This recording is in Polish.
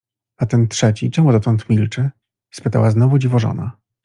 A ten trzeci czemu dotąd milczy? — spytała znowu dziwożona.